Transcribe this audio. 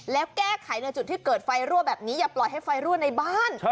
และแก้ไขจุดเกิดไฟรั่วอย่าปล่อยให้ไฟรั่วในบ้าน